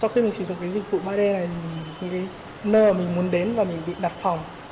ba d này những cái nơi mà mình muốn đến và mình bị đặt phòng